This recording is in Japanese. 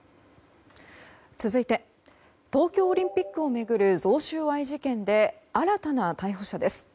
続いて東京オリンピックを巡る贈収賄事件で新たな逮捕者です。